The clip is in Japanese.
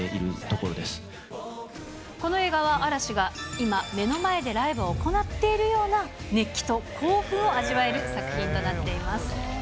この映画は、嵐が今、目の前でライブを行っているような熱気と興奮を味わえる作品となっています。